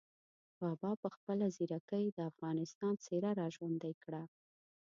بابا په خپله ځیرکۍ د افغانستان څېره را ژوندۍ کړه.